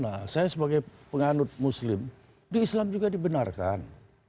nah saya sebagai penganut muslim di islam juga dibenarkan